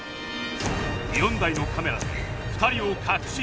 ４台のカメラで２人を隠し撮り